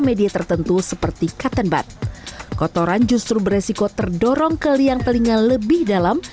media tertentu seperti cutton bud kotoran justru beresiko terdorong ke liang telinga lebih dalam